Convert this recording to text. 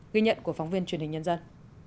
ghi nhận của phóng viên truyền hình nhân dân